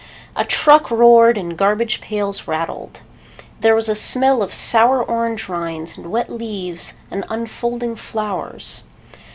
A truck roared and garbage pails rattled. There was a smell of sour orange rinds and wet leaves and unfolding flowers.